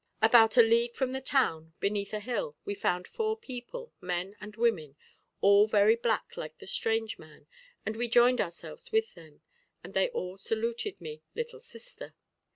About a league from the town, beneath a hill, we found four people, men and women, all very black like the strange man, and we joined ourselves with them, and they all saluted me, 'little sister.'